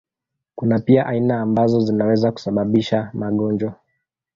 Kuna pia aina ambazo zinaweza kusababisha magonjwa.